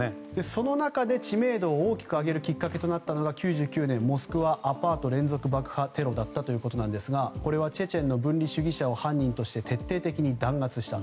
その中で知名度を大きく上げるきっかけとなったのが９９年のモスクワアパート連続爆破テロだったということですがこれはチェチェンの分離主義者を犯人として徹底的に弾圧した。